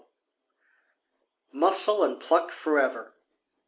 4 Muscle and pluck forever!